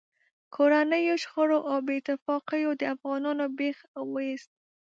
کورنیو شخړو او بې اتفاقیو د افغانانو بېخ و ایست.